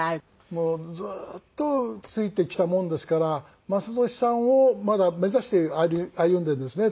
もうずっとついてきたもんですから雅俊さんをまだ目指して歩んでるんですね。